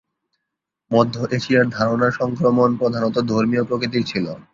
মধ্য এশিয়ার ধারণা সংক্রমণ প্রধানত ধর্মীয় প্রকৃতির ছিল।